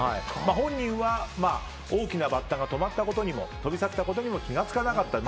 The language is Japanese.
本人は大きなバッタが止まったことにも飛び去ったことにも気が付かなかったと。